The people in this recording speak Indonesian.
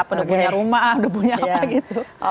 udah punya rumah udah punya apa gitu